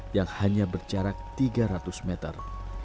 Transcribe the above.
yang hanya berjarak tiga ratus meter